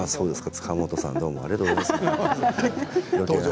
塚本さんありがとうございます。